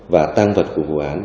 và tăng vật của vụ án